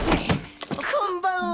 こんばんは！